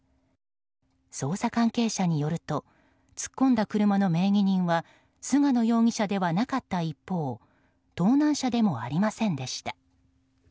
捜査関係者によると突っ込んだ車の名義人は菅野容疑者ではなかった一方盗難車でもありませんでした。